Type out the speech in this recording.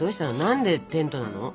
何でテントなの？